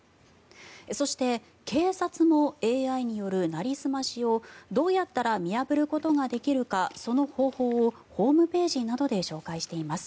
そして、警察もＡＩによるなりすましをどうやったら見破ることができるかその方法をホームページなどで紹介しています。